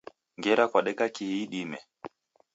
Ngera kwadeka kihi idime?